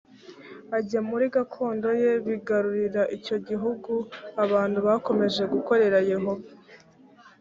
ajya muri gakondo ye bigarurira icyo gihugu abantu bakomeje gukorera yehova